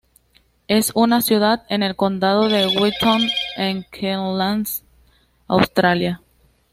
Es una ciudad en el Condado de Winton en Queensland, Australia.